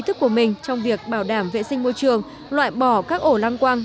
thức của mình trong việc bảo đảm vệ sinh môi trường loại bỏ các ổ lăng quang